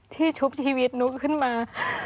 ชุบชีวิตนุ๊กขึ้นมา